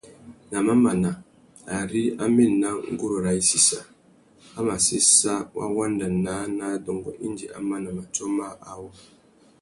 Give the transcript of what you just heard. Nà mamana, ari a mà ena nguru râā i sissa, a mà séssa wa wanda naā nà adôngô indi a mana matiō mâā awô.